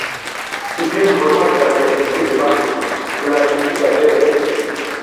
Ki gi mbur madiɗa le ngidiba, pula liʼi ti gajere.